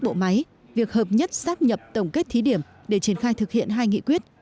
bộ máy việc hợp nhất xác nhập tổng kết thí điểm để triển khai thực hiện hai nghị quyết